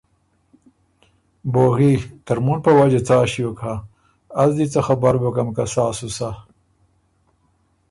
بوغي: ترمُن په وجه څا ݭیوک هۀ؟ از دی څۀ خبر بُکم که سا سو سَۀ،